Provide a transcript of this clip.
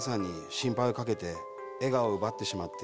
心配をかけて笑顔を奪ってしまって